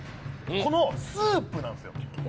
このスープなんですよ。